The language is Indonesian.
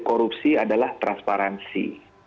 korupsi adalah transparansi